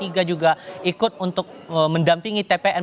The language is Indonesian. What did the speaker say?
iga juga ikut untuk mendampingi tpn